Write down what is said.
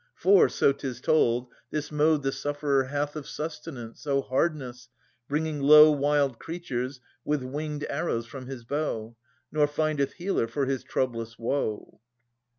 For, so 'tis told, this mode the sufferer hath Of sustenance, oh hardness ! bringing low Wild creatures with win^d arrows from his bow ; Nor findeth healer for his troublous woe.